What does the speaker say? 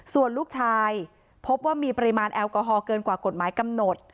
ส่วนลูกชายพบว่ามีปริมาณแอลกอฮอลเกินกว่ากฎหมายกำหนด